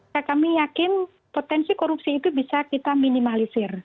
saya yakin potensi korupsi itu bisa kita minimalisir